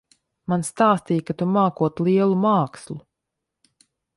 Man stāstīja, ka tu mākot lielu mākslu.